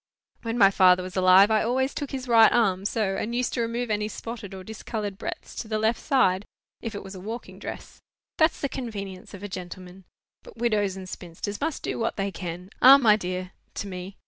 "When my father was alive, I always took his right arm, so, and used to remove any spotted or discoloured breadths to the left side, if it was a walking dress. That's the convenience of a gentleman. But widows and spinsters must do what they can. Ah, my dear (to me)!